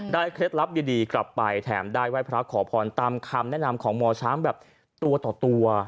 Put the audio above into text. เคล็ดลับดีกลับไปแถมได้ไหว้พระขอพรตามคำแนะนำของหมอช้างแบบตัวต่อตัว